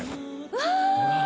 うわ！